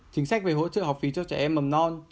chính sách về hỗ trợ học phí cho trẻ em mầm non